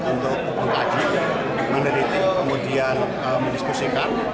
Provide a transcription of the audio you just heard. untuk mengkaji meneliti kemudian mendiskusikan